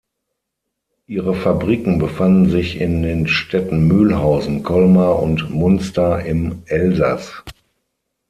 Ihre Fabriken befanden sich in den Städten Mühlhausen, Colmar und Munster im Elsass.